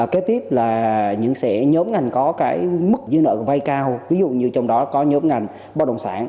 kế tiếp là những nhóm ngành có mức dưới nợ vai cao ví dụ như trong đó có nhóm ngành bảo đồng sản